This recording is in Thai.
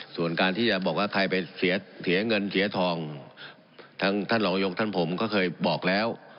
ส่วนการที่จะบอกว่าใครไปเสียเงินเสียทองทั้งท่านรองยกท่านผมก็เคยบอกแล้ว